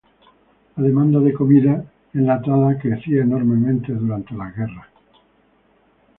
La demanda de comida enlatada crecía enormemente durante las guerras.